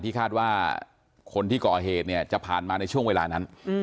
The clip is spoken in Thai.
คาดว่าคนที่ก่อเหตุเนี่ยจะผ่านมาในช่วงเวลานั้น